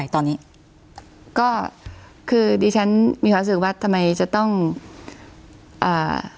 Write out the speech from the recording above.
ตอนนี้ก็คือดิฉันมีความรู้สึกว่าทำไมจะต้องอ่า